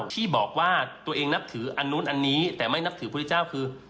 ที่บอกว่าตัวเองนับถืออันนู้นอันนี้แต่ไม่นับถือพระพุทธเจ้าคือ